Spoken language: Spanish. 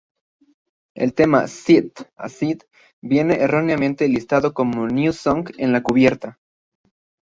El tema "Set-Aside" viene erróneamente listado como "New Song" en la cubierta.